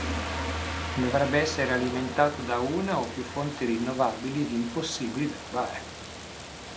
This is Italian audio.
Dovrebbe essere alimentato da una o più fonti rinnovabili ed impossibili da rubare.